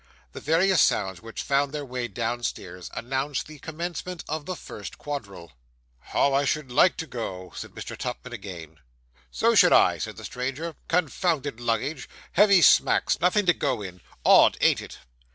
The various sounds which found their way downstairs announced the commencement of the first quadrille. 'How I should like to go,' said Mr. Tupman again. 'So should I,' said the stranger 'confounded luggage, heavy smacks nothing to go in odd, ain't it?